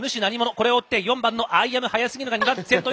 これを追って４番のアイアムハヤスギルが２番手。